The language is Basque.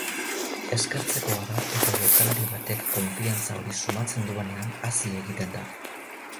Eskertzekoa da eta jokalari batek konfiantza hori sumatzen duenean hazi egiten da.